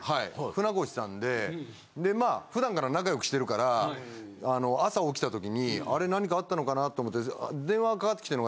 船越さんでまあ普段から仲良くしてるから朝起きた時にあれ何かあったのかな？と思って。